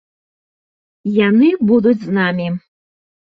Яны будуць з намі.